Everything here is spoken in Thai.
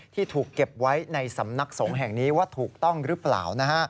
ที่ถูกเก็บไว้ในสำนักสงฆ์แห่งนี้ว่าถูกต้องหรือเปล่า